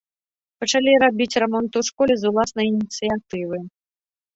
Пачалі рабіць рамонт у школе з уласнай ініцыятывы.